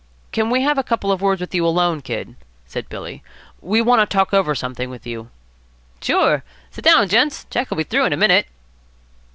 "Can we have a couple of words with you alone, Kid?" said Billy. "We want to talk over something with you." "Sure. Sit down, gents. Jack'll be through in a minute."